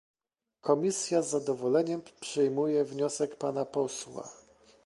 Komisja z zadowoleniem przyjmuje wniosek pana posła